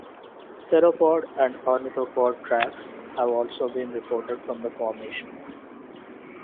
Theropod and ornithopod tracks have also been reported from the formation.